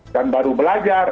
dan baru belajar